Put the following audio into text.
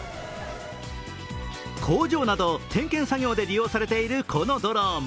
工場など点検作業で利用されているこのドローン。